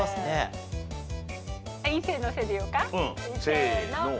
せの。